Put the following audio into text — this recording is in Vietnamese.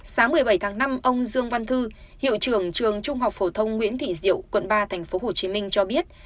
sáng một mươi bảy tháng năm ông dương văn thư hiệu trưởng trường trung học phổ thông nguyễn thị diệu quận ba tp hcm cho biết